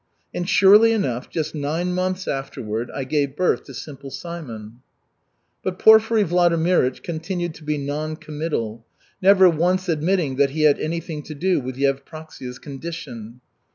And surely enough, just nine months afterward I gave birth to Simple Simon." But Porfiry Vladimirych continued to be noncommittal, never once admitting that he had anything to do with Yevpraksia's condition.